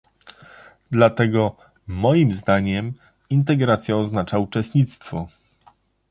Dlatego, moim zdaniem, integracja oznacza uczestnictwo